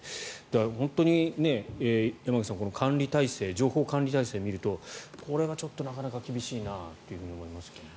本当に山口さん情報管理体制を見るとこれはちょっとなかなか厳しいなと思いますが。